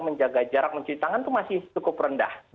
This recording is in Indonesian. menjaga jarak mencuci tangan itu masih cukup rendah